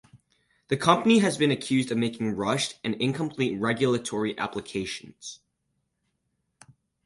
The company has been accused of making rushed and incomplete regulatory applications.